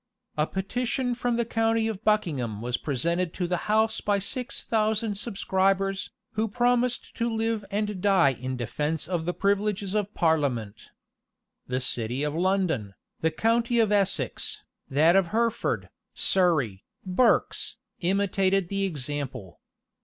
A petition from the county of Buckingham was presented to the house by six thousand subscribers, who promised to live and die in defence of the privileges of parliament.[*] The city of London, the county of Essex, that of Hertford, Surrey, Berks, imitated the example.